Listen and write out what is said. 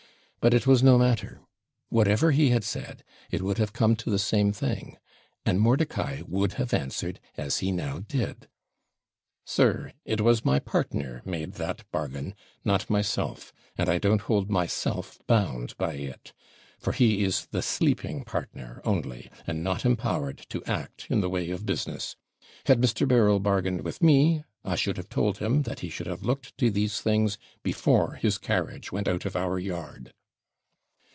But it was no matter. Whatever he had said, it would have come to the same thing; and Mordicai would have answered as he now did 'Sir, it was my partner made that bargain, not myself; and I don't hold myself bound by it, for he is the sleeping partner only, and not empowered to act in the way of business. Had Mr. Berryl bargained with me, I should have told him that he should have looked to these things before his carriage went out of our yard.'